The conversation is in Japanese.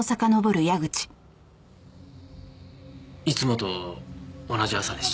いつもと同じ朝でした。